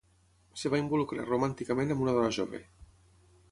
Es va involucrar romànticament amb una dona jove.